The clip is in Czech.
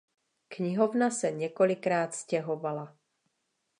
Knihovna se několikrát stěhovala.